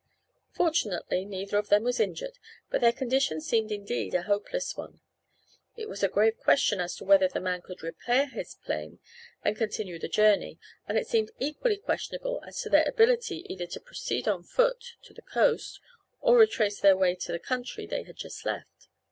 Fortunately neither of them was injured but their condition seemed indeed a hopeless one. It was a grave question as to whether the man could repair his plane and continue the journey, and it seemed equally questionable as to their ability either to proceed on foot to the coast or retrace their way to the country they had just left.